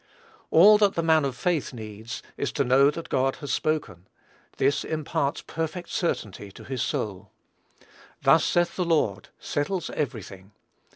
All that the man of faith needs, is to know that God has spoken; this imparts perfect certainty to his soul. "Thus saith the Lord," settles every thing.